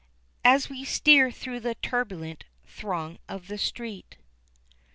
As we steer through the turbulent throng of the street.